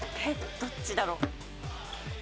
どっちだろう。